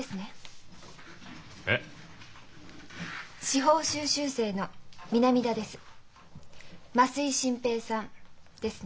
司法修習生の南田です。